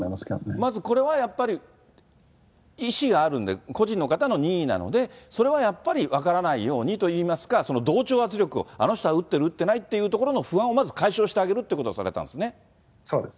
まずこれはやっぱり、意思があるんで、個人の方の任意なので、それはやっぱり分からないようにといいますか、同調圧力を、あの人は打ってる、打ってないっていうところの不安をまず解消してあげるということをされたんですね。